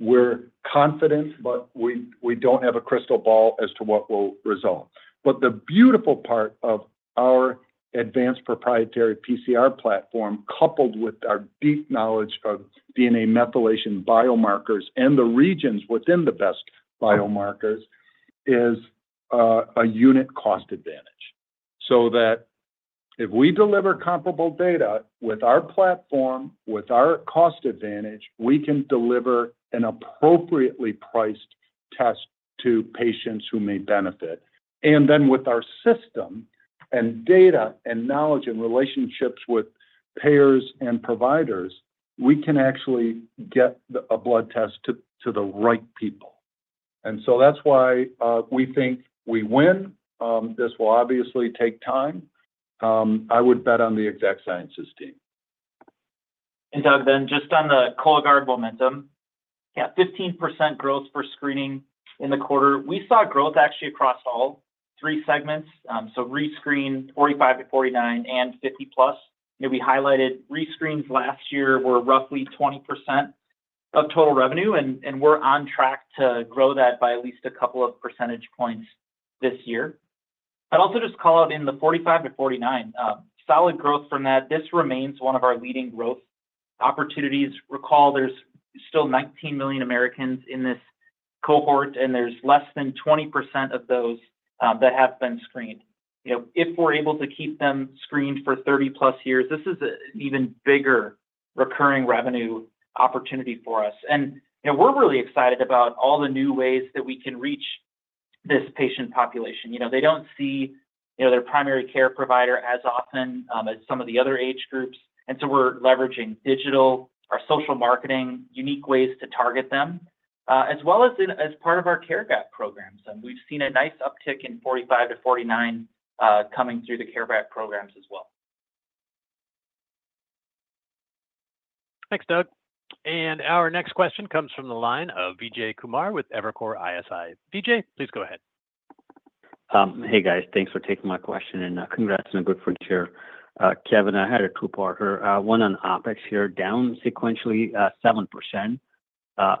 We're confident, but we don't have a crystal ball as to what will result. But the beautiful part of our advanced proprietary PCR platform, coupled with our deep knowledge of DNA methylation biomarkers and the regions within the best biomarkers, is a unit cost advantage. So that if we deliver comparable data with our platform, with our cost advantage, we can deliver an appropriately priced test to patients who may benefit. And then with our system and data and knowledge and relationships with payers and providers, we can actually get a blood test to the right people. And so that's why we think we win. This will obviously take time. I would bet on the Exact Sciences team. Doug, then just on the Cologuard momentum, yeah, 15% growth for screening in the quarter. We saw growth actually across all three segments. So rescreen 45-49 and 50+. We highlighted rescreens last year were roughly 20% of total revenue. And we're on track to grow that by at least a couple of percentage points this year. I'd also just call out in the 45-49, solid growth from that. This remains one of our leading growth opportunities. Recall, there's still 19 million Americans in this cohort, and there's less than 20% of those that have been screened. If we're able to keep them screened for 30+ years, this is an even bigger recurring revenue opportunity for us. And we're really excited about all the new ways that we can reach this patient population. They don't see their primary care provider as often as some of the other age groups. And so we're leveraging digital, our social marketing, unique ways to target them, as well as part of our care gap programs. And we've seen a nice uptick in 45-49 coming through the care gap programs as well. Thanks, Doug. Our next question comes from the line of Vijay Kumar with Evercore ISI. Vijay, please go ahead. Hey, guys. Thanks for taking my question. And congrats on a good quarter. Kevin, I had a two-parter. One on OpEx here, down sequentially 7%.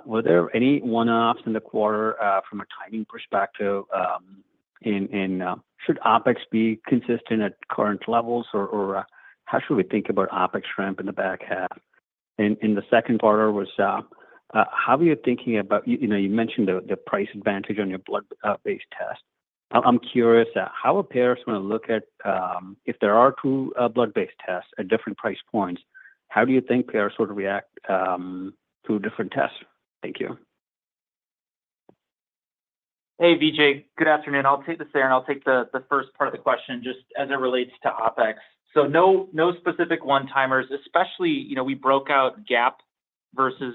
Were there any one-offs in the quarter from a timing perspective? Should OpEx be consistent at current levels? Or how should we think about OpEx ramp in the back half? And the second part was, how are you thinking about you mentioned the price advantage on your blood-based test. I'm curious, how are payers going to look at if there are two blood-based tests at different price points? How do you think payers will react to different tests? Thank you. Hey, Vijay. Good afternoon. I'll take this there. I'll take the first part of the question just as it relates to OpEx. So no specific one-timers, especially we broke out GAAP versus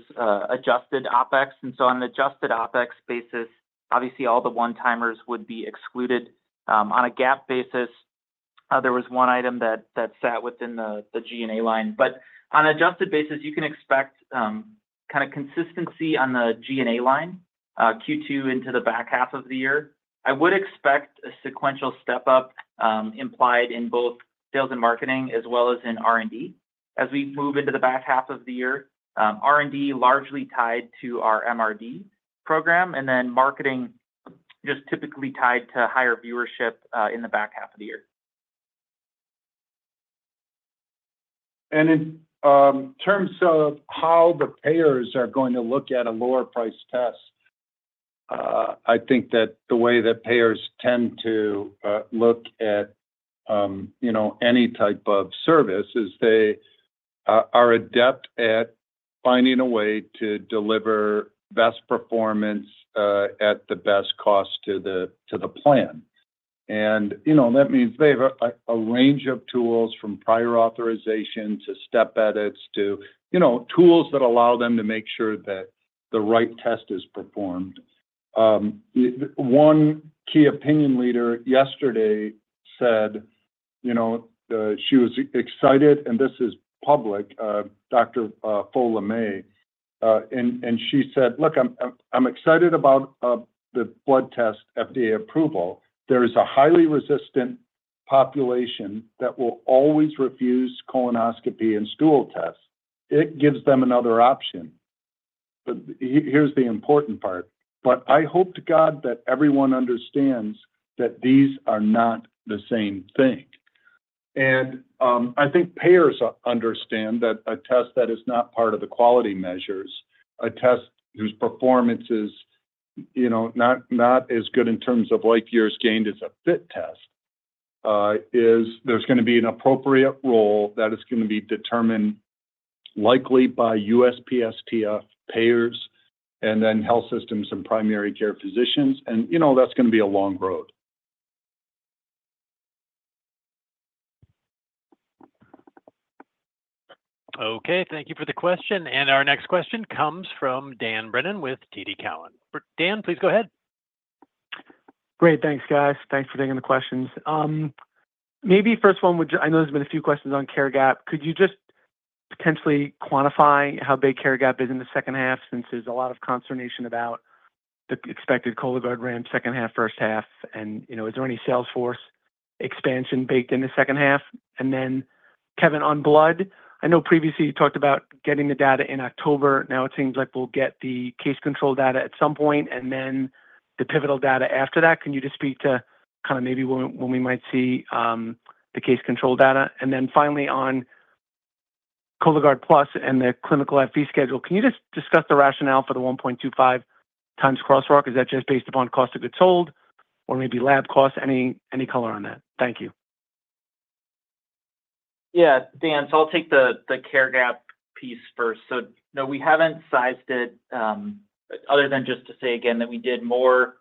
adjusted OpEx. And so on an adjusted OpEx basis, obviously, all the one-timers would be excluded. On a GAAP basis, there was one item that sat within the G&A line. But on an adjusted basis, you can expect kind of consistency on the G&A line, Q2 into the back half of the year. I would expect a sequential step-up implied in both sales and marketing as well as in R&D as we move into the back half of the year. R&D largely tied to our MRD program. And then marketing just typically tied to higher viewership in the back half of the year. In terms of how the payers are going to look at a lower-priced test, I think that the way that payers tend to look at any type of service is they are adept at finding a way to deliver best performance at the best cost to the plan. And that means they have a range of tools from prior authorization to step edits to tools that allow them to make sure that the right test is performed. One key opinion leader yesterday said she was excited, and this is public, Dr. Fola May. She said, "Look, I'm excited about the blood test FDA approval. There is a highly resistant population that will always refuse colonoscopy and stool tests. It gives them another option." Here's the important part. But I hope to God that everyone understands that these are not the same thing. I think payers understand that a test that is not part of the quality measures, a test whose performance is not as good in terms of like years gained as a FIT test, is there's going to be an appropriate role that is going to be determined likely by USPSTF, payers, and then health systems and primary care physicians. That's going to be a long road. Okay. Thank you for the question. Our next question comes from Dan Brennan with TD Cowen. Dan, please go ahead. Great. Thanks, guys. Thanks for taking the questions. Maybe first one, I know there's been a few questions on care gap. Could you just potentially quantify how big care gap is in the second half since there's a lot of consternation about the expected Cologuard ramp second half, first half? And is there any sales force expansion baked in the second half? And then, Kevin, on blood, I know previously you talked about getting the data in October. Now it seems like we'll get the case control data at some point and then the pivotal data after that. Can you just speak to kind of maybe when we might see the case control data? And then finally, on Cologuard Plus and the clinical FDA schedule, can you just discuss the rationale for the 1.25 times crosswalk? Is that just based upon cost of goods sold or maybe lab costs? Any color on that? Thank you. Yeah. Dan, so I'll take the care gap piece first. So no, we haven't sized it other than just to say, again, that we did more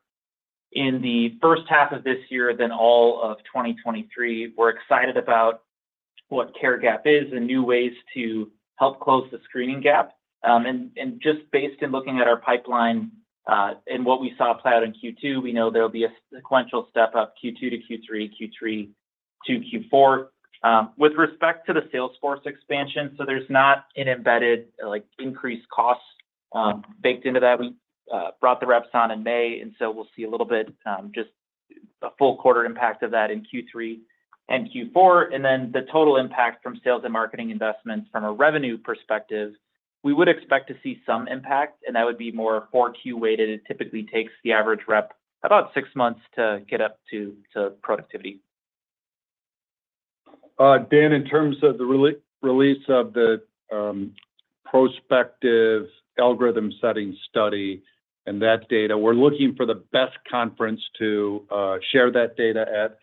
in the first half of this year than all of 2023. We're excited about what care gap is and new ways to help close the screening gap. Just based on looking at our pipeline and what we saw play out in Q2, we know there'll be a sequential step-up Q2 to Q3, Q3 to Q4. With respect to the sales force expansion, so there's not an embedded increased cost baked into that. We brought the reps on in May. So we'll see a little bit just a full quarter impact of that in Q3 and Q4. Then the total impact from sales and marketing investments from a revenue perspective, we would expect to see some impact. And that would be more 4Q-weighted. It typically takes the average rep about 6 months to get up to productivity. Dan, in terms of the release of the prospective algorithm-setting study and that data, we're looking for the best conference to share that data at.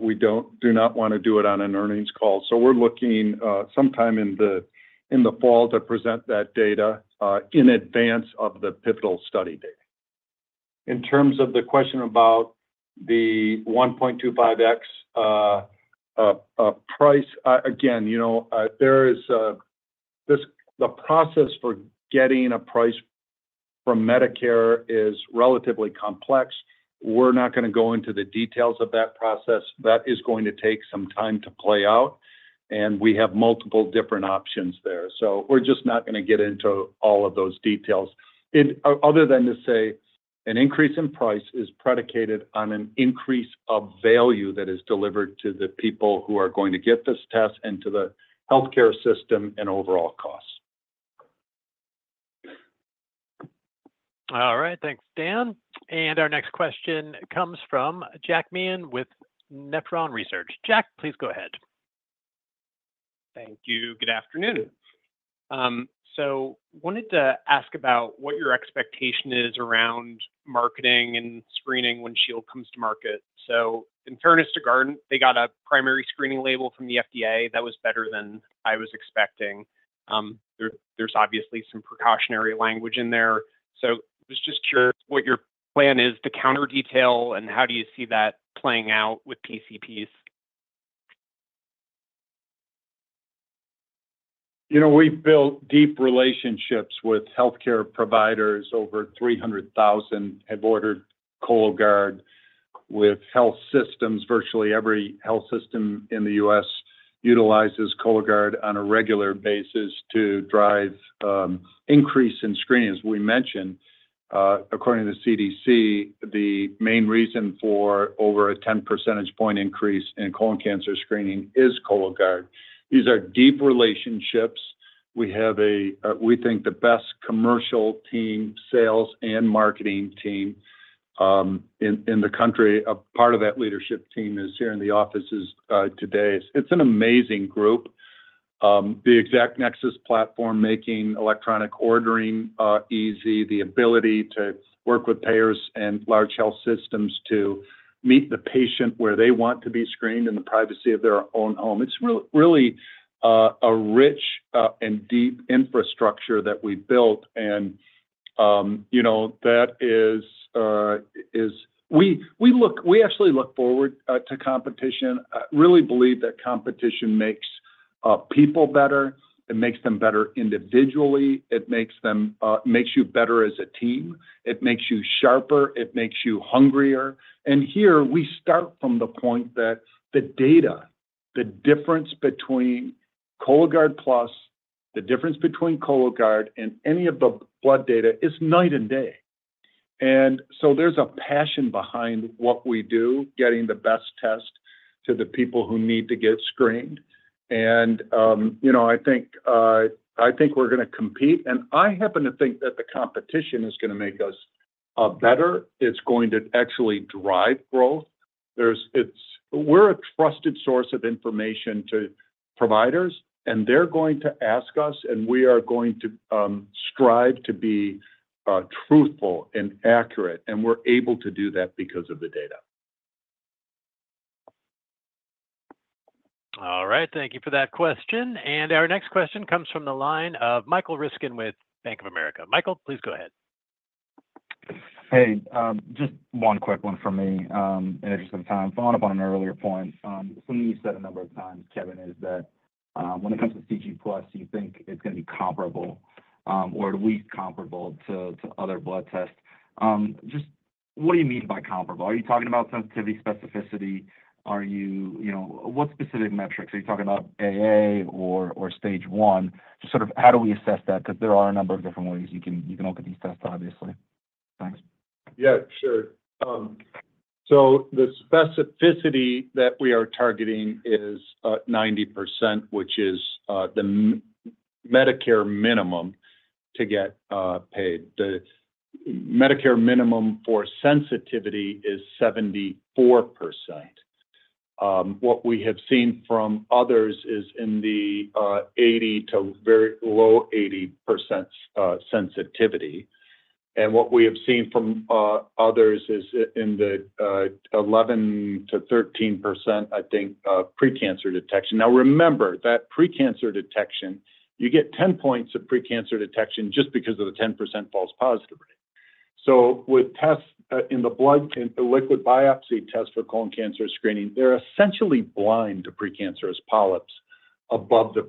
We do not want to do it on an earnings call. So we're looking sometime in the fall to present that data in advance of the pivotal study date. In terms of the question about the 1.25x price, again, there is the process for getting a price from Medicare is relatively complex. We're not going to go into the details of that process. That is going to take some time to play out. And we have multiple different options there. So we're just not going to get into all of those details. Other than to say an increase in price is predicated on an increase of value that is delivered to the people who are going to get this test and to the healthcare system and overall costs. All right. Thanks, Dan. And our next question comes from Jack Meehan with Nephron Research. Jack, please go ahead. Thank you. Good afternoon. So wanted to ask about what your expectation is around marketing and screening when Shield comes to market. So in fairness to Guardant, they got a primary screening label from the FDA that was better than I was expecting. There's obviously some precautionary language in there. So I was just curious what your plan is to counter detail and how do you see that playing out with PCPs? We've built deep relationships with healthcare providers. Over 300,000 have ordered Cologuard with health systems. Virtually every health system in the U.S. utilizes Cologuard on a regular basis to drive increase in screenings. We mentioned, according to the CDC, the main reason for over a 10 percentage point increase in colon cancer screening is Cologuard. These are deep relationships. We think the best commercial team, sales, and marketing team in the country, a part of that leadership team is here in the office today. It's an amazing group. The Exact Nexus platform making electronic ordering easy, the ability to work with payers and large health systems to meet the patient where they want to be screened in the privacy of their own home. It's really a rich and deep infrastructure that we built. And that is we actually look forward to competition. I really believe that competition makes people better. It makes them better individually. It makes you better as a team. It makes you sharper. It makes you hungrier. And here, we start from the point that the data, the difference between Cologuard Plus, the difference between Cologuard and any of the blood data is night and day. And so there's a passion behind what we do, getting the best test to the people who need to get screened. And I think we're going to compete. And I happen to think that the competition is going to make us better. It's going to actually drive growth. We're a trusted source of information to providers. And they're going to ask us. And we are going to strive to be truthful and accurate. And we're able to do that because of the data. All right. Thank you for that question. And our next question comes from the line of Michael Ryskin with Bank of America. Michael, please go ahead. Hey, just one quick one from me in the interest of time. Following up on an earlier point, something you said a number of times, Kevin, is that when it comes to CG Plus, you think it's going to be comparable or at least comparable to other blood tests. Just what do you mean by comparable? Are you talking about sensitivity, specificity? What specific metrics? Are you talking about AA or stage one? Just sort of how do we assess that? Because there are a number of different ways you can look at these tests, obviously. Thanks. Yeah, sure. So the specificity that we are targeting is 90%, which is the Medicare minimum to get paid. The Medicare minimum for sensitivity is 74%. What we have seen from others is in the 80% to very low 80% sensitivity. And what we have seen from others is in the 11%-13%, I think, pre-cancer detection. Now, remember that pre-cancer detection, you get 10 points of pre-cancer detection just because of the 10% false positive rate. So with tests in the blood and liquid biopsy test for colon cancer screening, they're essentially blind to precancerous polyps above the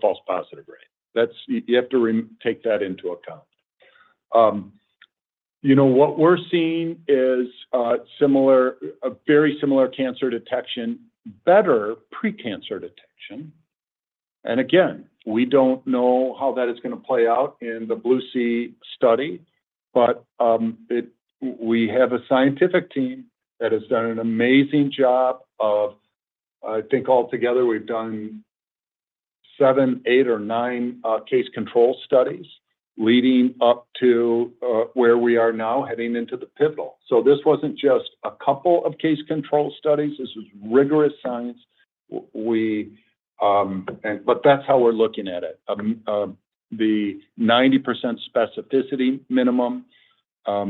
false positive rate. You have to take that into account. What we're seeing is a very similar cancer detection, better precancer detection. And again, we don't know how that is going to play out in the BLUE-C study. But we have a scientific team that has done an amazing job of, I think altogether, we've done 7, 8, or 9 case-control studies leading up to where we are now heading into the pivotal. So this wasn't just a couple of case-control studies. This is rigorous science. But that's how we're looking at it. The 90% specificity minimum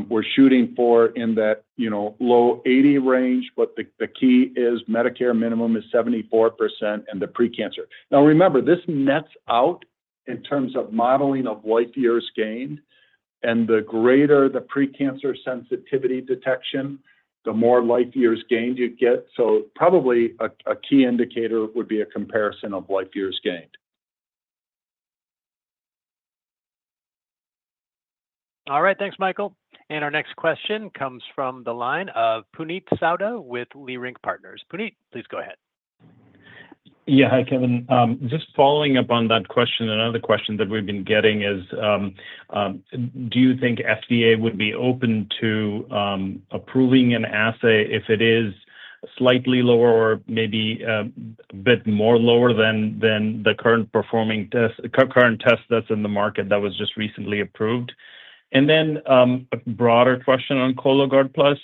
we're shooting for in that low 80 range. But the key is Medicare minimum is 74% and the precancer. Now, remember, this nets out in terms of modeling of life years gained. And the greater the precancer sensitivity detection, the more life years gained you get. So probably a key indicator would be a comparison of life years gained. All right. Thanks, Michael. And our next question comes from the line of Puneet Souda with Leerink Partners. Puneet, please go ahead. Yeah, hi, Kevin. Just following up on that question, another question that we've been getting is, do you think FDA would be open to approving an assay if it is slightly lower or maybe a bit more lower than the current test that's in the market that was just recently approved? And then a broader question on Cologuard Plus.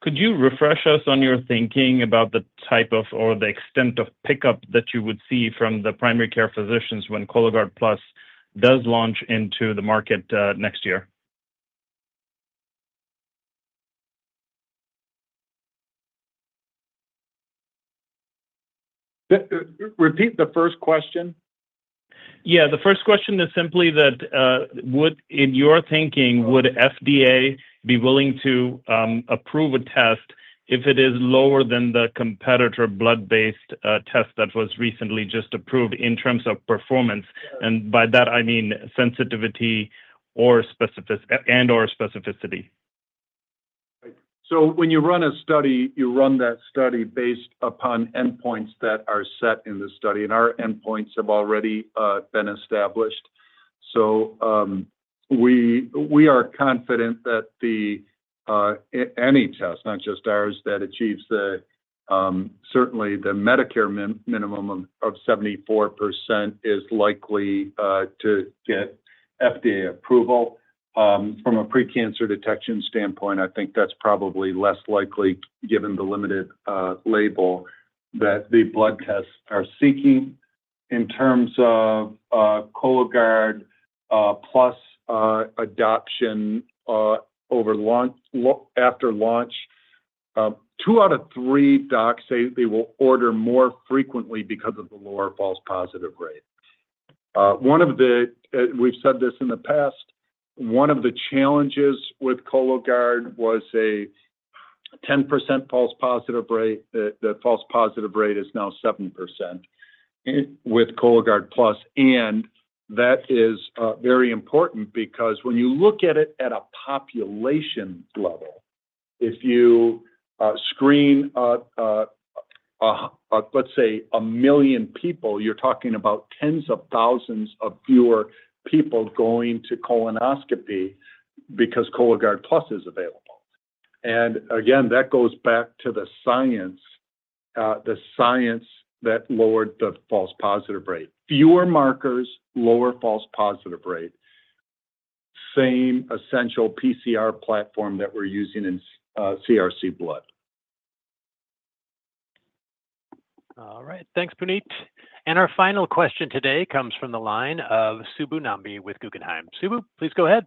Could you refresh us on your thinking about the type of or the extent of pickup that you would see from the primary care physicians when Cologuard Plus does launch into the market next year? Repeat the first question. Yeah. The first question is simply that, in your thinking, would FDA be willing to approve a test if it is lower than the competitor blood-based test that was recently just approved in terms of performance? And by that, I mean sensitivity and/or specificity. So when you run a study, you run that study based upon endpoints that are set in the study. Our endpoints have already been established. We are confident that any test, not just ours, that achieves certainly the Medicare minimum of 74% is likely to get FDA approval. From a precancer detection standpoint, I think that's probably less likely given the limited label that the blood tests are seeking. In terms of Cologuard Plus adoption after launch, two out of three docs say they will order more frequently because of the lower false positive rate. We've said this in the past. One of the challenges with Cologuard was a 10% false positive rate. The false positive rate is now 7% with Cologuard Plus. That is very important because when you look at it at a population level, if you screen, let's say, 1 million people, you're talking about tens of thousands of fewer people going to colonoscopy because Cologuard Plus is available. And again, that goes back to the science that lowered the false positive rate. Fewer markers, lower false positive rate. Same essential PCR platform that we're using in CRC blood. All right. Thanks, Puneet. Our final question today comes from the line of Subbu Nambi with Guggenheim. Subbu, please go ahead.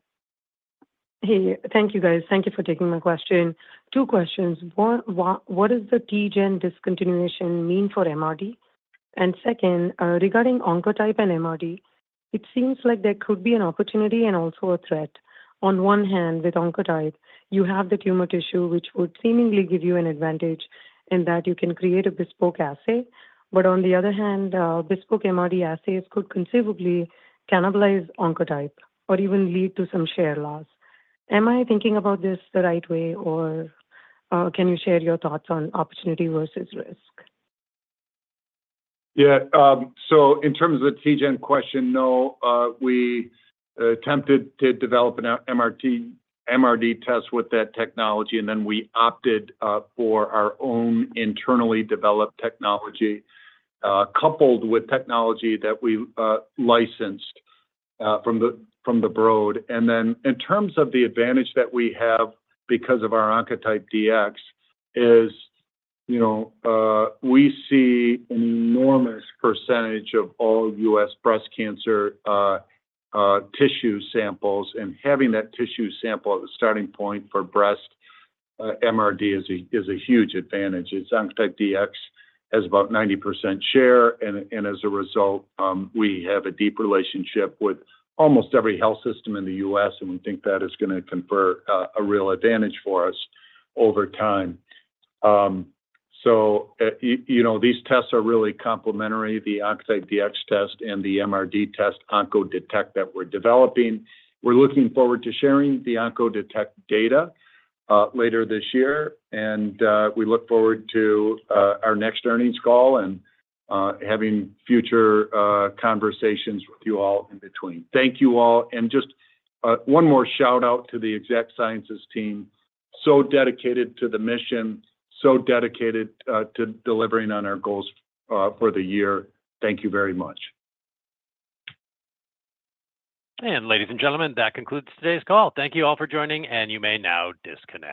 Hey, thank you, guys. Thank you for taking my question. Two questions. What does the TGen discontinuation mean for MRD? And second, regarding Oncotype and MRD, it seems like there could be an opportunity and also a threat. On one hand, with Oncotype, you have the tumor tissue, which would seemingly give you an advantage in that you can create a bespoke assay. But on the other hand, bespoke MRD assays could conceivably cannibalize Oncotype or even lead to some share loss. Am I thinking about this the right way, or can you share your thoughts on opportunity versus risk? Yeah. So in terms of the TGen question, no. We attempted to develop an MRD test with that technology. We opted for our own internally developed technology coupled with technology that we licensed from the Broad Institute. In terms of the advantage that we have because of our Oncotype DX, we see an enormous percentage of all U.S. breast cancer tissue samples. Having that tissue sample as a starting point for breast MRD is a huge advantage. Oncotype DX has about 90% share. As a result, we have a deep relationship with almost every health system in the U.S. We think that is going to confer a real advantage for us over time. So these tests are really complementary. The Oncotype DX test and the MRD test Oncodetect that we're developing. We're looking forward to sharing the Oncodetect data later this year. We look forward to our next earnings call and having future conversations with you all in between. Thank you all. Just one more shout-out to the Exact Sciences team. So dedicated to the mission. So dedicated to delivering on our goals for the year. Thank you very much. Ladies and gentlemen, that concludes today's call. Thank you all for joining. You may now disconnect.